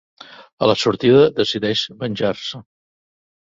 A la sortida, decideix venjar-se.